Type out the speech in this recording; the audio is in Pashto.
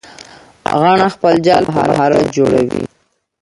غڼه خپل جال په مهارت جوړوي